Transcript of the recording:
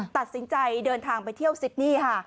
ตัดสินใจเดินทางไปเที่ยวสิตนี